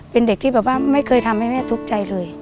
เป็นเด็กที่แบบว่าไม่เคยทำให้แม่ทุกข์ใจเลย